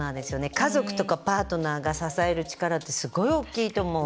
家族とかパートナーが支える力ってすごい大きいと思う。